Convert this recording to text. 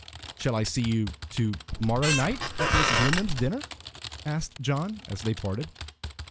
"Shall I see you to morrow night at Mrs. Wyndham's dinner?" asked John, as they parted.